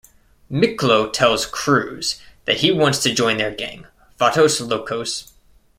Miklo tells Cruz that he wants to join their gang "Vatos Locos".